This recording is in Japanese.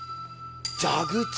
蛇口。